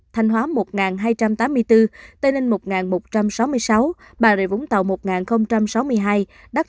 tình hình dịch covid một mươi chín